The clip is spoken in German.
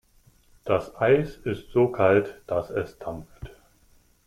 Das Eis ist so kalt, dass es dampft.